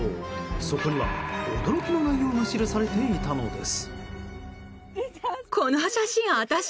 そこには驚きの内容が記されていたのです。